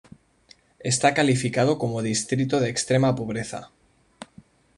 Está calificado como distrito de extrema pobreza.